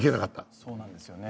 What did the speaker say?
そうなんですよね。